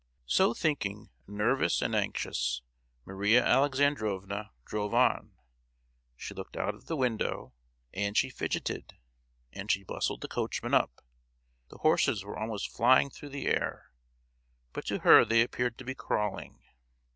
So thinking, nervous and anxious, Maria Alexandrovna drove on. She looked out of the window, and she fidgeted, and she bustled the coachman up. The horses were almost flying through the air; but to her they appeared to be crawling.